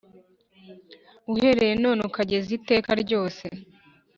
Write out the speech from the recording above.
Uhereye none ukageza iteka ryose